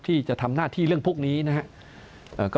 ที่จะทำหน้าที่เรื่องพวกนี้นะครับ